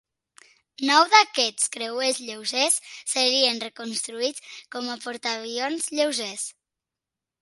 Nou d'aquests creuers lleugers serien reconstruïts com a portaavions lleugers.